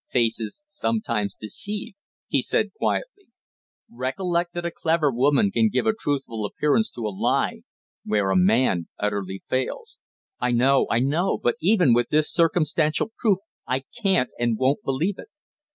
"Faces sometimes deceive," he said quietly. "Recollect that a clever woman can give a truthful appearance to a lie where a man utterly fails." "I know I know. But even with this circumstantial proof I can't and won't believe it."